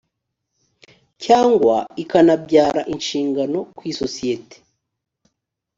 cyangwa ikanabyara inshingano ku isosiyete